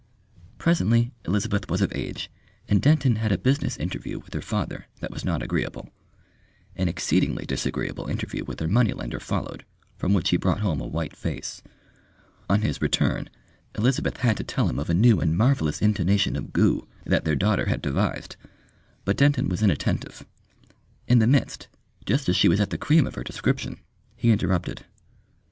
Presently Elizabeth was of age, and Denton had a business interview with her father that was not agreeable. An exceedingly disagreeable interview with their money lender followed, from which he brought home a white face. On his return Elizabeth had to tell him of a new and marvellous intonation of "Goo" that their daughter had devised, but Denton was inattentive. In the midst, just as she was at the cream of her description, he interrupted.